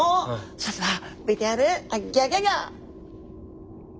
それではＶＴＲギョギョギョ！